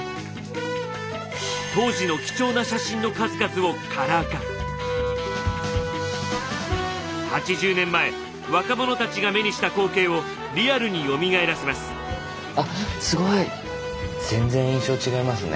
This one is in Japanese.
当時の貴重な写真の数々を８０年前若者たちが目にした光景をリアルによみがえらせます。